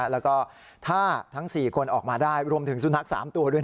แล้วก็ถ้าทั้ง๔คนออกมาได้รวมถึงสุนัข๓ตัวด้วย